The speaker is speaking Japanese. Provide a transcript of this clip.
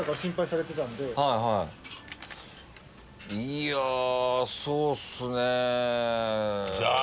いやそうっすねぇ。